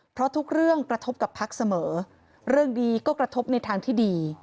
เพราะทุกเรื่องกระทบกับพักเสมอเรื่องดีก็กระทบในทางที่ดี